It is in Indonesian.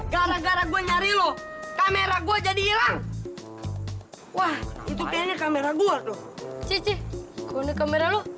gara gara gue nyari loh kamera gue jadi hilang wah itu kamera gue tuh cici konek kamera lu